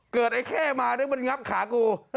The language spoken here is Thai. เกิดไอ้เค่มาแล้วมันงับขากู